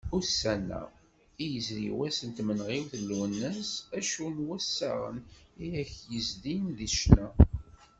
Ussan-a, i yezri wass n tmenɣiwt n Lwennas, acu n wassaɣen i aken-yezdin deg ccna?